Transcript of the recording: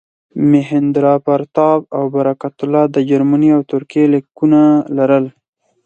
مهیندراپراتاپ او برکت الله د جرمني او ترکیې لیکونه لرل.